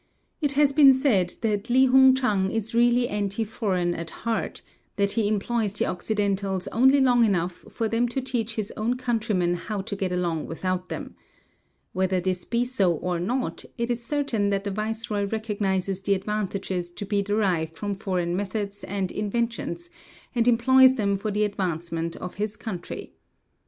It has been said that Li Hung Chang is really anti foreign at heart; that he employs the Occidentals only long enough for them to teach his own countrymen how to get along without them. Whether this be so or not, it is certain that the viceroy recognizes the advantages to be derived from foreign methods and inventions, and employs them for the advancement of his country.